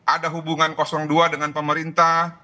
ada hubungan dua dengan pemerintah